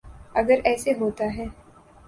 اگر ایسے ہوتا ہے۔